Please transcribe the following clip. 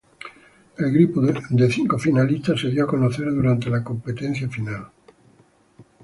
El grupo de cinco finalistas se dio a conocer durante la competencia final.